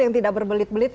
yang tidak berbelit belit